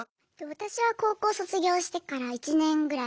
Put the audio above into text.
私は高校卒業してから１年ぐらい。